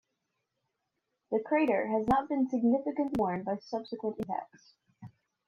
The crater has not been significantly worn by subsequent impacts.